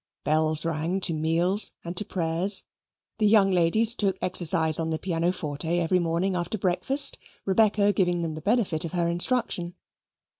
Bells rang to meals and to prayers. The young ladies took exercise on the pianoforte every morning after breakfast, Rebecca giving them the benefit of her instruction.